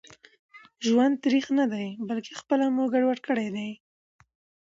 ژوند تريخ ندي بلکي خپله مو ګډوډ کړي دي